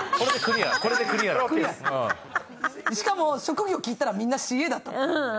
しかも、職業聞いたらみんなＣＡだったの。